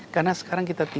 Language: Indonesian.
karena sekarang kita